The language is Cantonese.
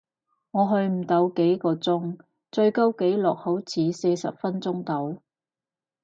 我去唔到幾個鐘，最高紀錄好似四十分鐘度